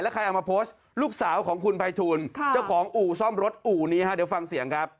ใครเอามาโพสต์ลูกสาวของคุณภัยทูลเจ้าของอู่ซ่อมรถอู่นี้ฮะเดี๋ยวฟังเสียงครับ